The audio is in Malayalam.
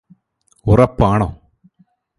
ഉറപ്പാണോ